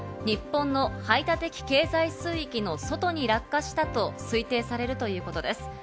日本の排他的経済水域の外に落下したと推定されるということです。